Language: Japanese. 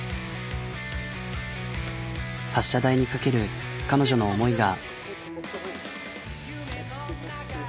発射台に懸ける彼女の思いが。